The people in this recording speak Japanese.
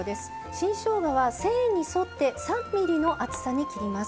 新しょうがは繊維に沿って３ｍｍの厚さに切ります。